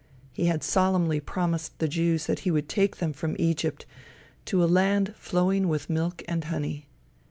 He had solemnly promised the Jews that he would take them from Egypt to a land flowing with milk and honey.